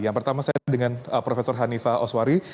yang pertama saya dengan prof hanifah oswari